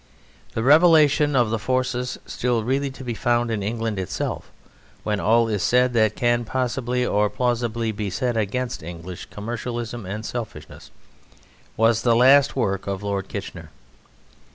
The revelation of the forces still really to be found in England itself, when all is said that can possibly or plausibly be said against English commercialism and selfishness, was the last work of Lord Kitchener.